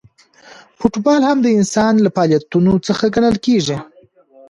فوټبال هم د انسان له فعالیتونو څخه ګڼل کیږي.